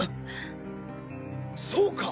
そうか！